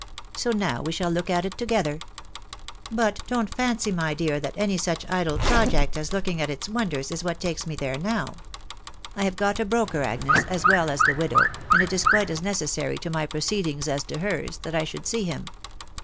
So now we shall look at it together. But don't fancy, my dear, that any such, idle project as looking at its wonders is what takes me there now. ... I have got a broker, Agnes, as well as the widow, and it is quite as necessary to my proceedings as to hers that I should see him.